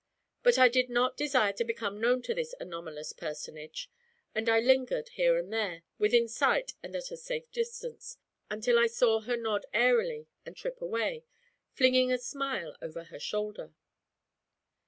But I did not desire to become known to this anomalous personage, and I lingered here and there, within sight and at a safe distance, until I saw her nod airily and trip away, flinging a smile over her shoulder.